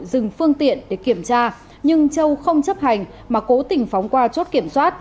dừng phương tiện để kiểm tra nhưng châu không chấp hành mà cố tình phóng qua chốt kiểm soát